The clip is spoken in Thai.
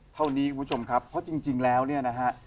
เท่านี้คุณผู้ชมครับเพราะจริงแล้วเนี่ยนะฮะ